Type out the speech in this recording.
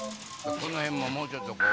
この辺ももうちょっと。